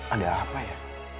ada apa ya